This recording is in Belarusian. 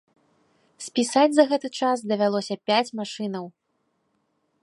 Спісаць за гэты час давялося пяць машынаў.